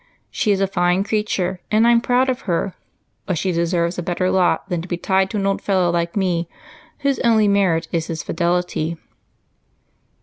She is a fine creature and I'm proud of her, but she deserves a better lot than to be tied to an old fellow like me whose only merit is his fidelity."